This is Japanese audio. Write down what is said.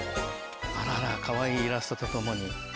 あららかわいいイラストとともに。